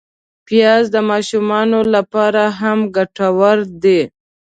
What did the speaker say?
پیاز د ماشومانو له پاره هم ګټور دی